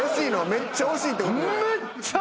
めっちゃ惜しいってこと？